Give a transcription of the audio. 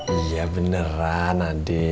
iya beneran andi